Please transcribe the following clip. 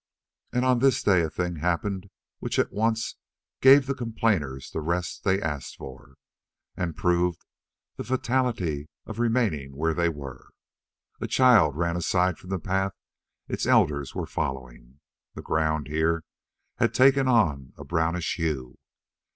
And on this day a thing happened which at once gave the complainers the rest they asked for, and proved the fatality of remaining where they were. A child ran aside from the path its elders were following. The ground here had taken on a brownish hue.